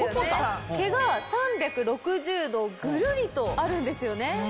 毛が３６０度ぐるりとあるんですよね。